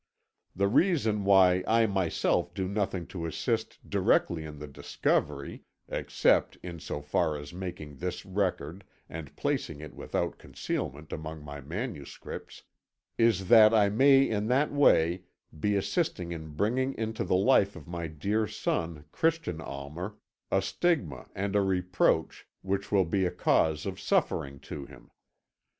The reason why I myself do nothing to assist directly in the discovery (except in so far as making this record and placing it without concealment among my manuscripts) is that I may in that way be assisting in bringing into the life of my dear son, Christian Almer, a stigma and a reproach which will be a cause of suffering to him.